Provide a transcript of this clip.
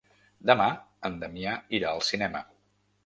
Demà en Damià irà al cinema.